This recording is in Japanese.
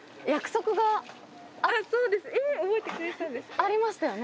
ありましたよね？